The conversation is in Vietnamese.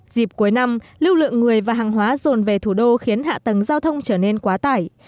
dịp cuối năm lưu lượng người và hàng hóa rồn về thủ đô khiến hạ tầng giao thông trở nên quá tải